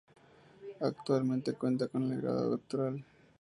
Actualmente cuenta con el grado doctoral.